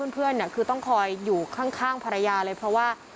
เพื่อนคือต้องคอยอยู่ข้างภรรยาเลยเพราะว่า